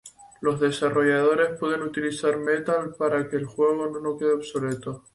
Los desarrolladores pueden utilizar Metal para que el juego no quede obsoleto.